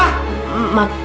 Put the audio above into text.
mas tuh makannya